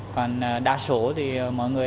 còn đa số thì mọi người